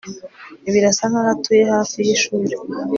birasa nkaho atuye hafi yishuri